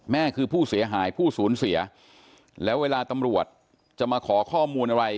แม่คือผู้เสียหายผู้สูญเสียแล้วเวลาตำรวจจะมาขอข้อมูลอะไร